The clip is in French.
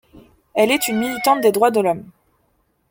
Elle est une militante des droits de l'homme.